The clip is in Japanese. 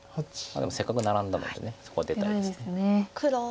でもせっかくナラんだのでそこは出たいです。